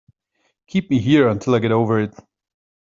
Keep me here until I get over it.